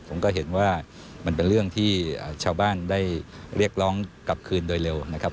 ผมก็เห็นว่ามันเป็นเรื่องที่ชาวบ้านได้เรียกร้องกลับคืนโดยเร็วนะครับ